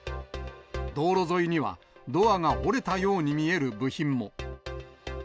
道路沿いにはドアが折れたように見える部品も。